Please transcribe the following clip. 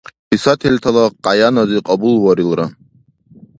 Писательтала къяянази кьабулварилра!